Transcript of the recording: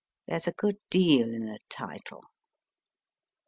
There s a good deal in a title.